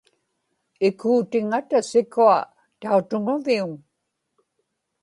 ikuutiŋata sikua tautuŋaviuŋ